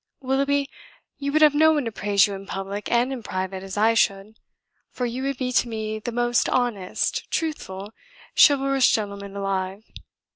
Willoughby, you would have no one to praise you in public and in private as I should, for you would be to me the most honest, truthful, chivalrous gentleman alive.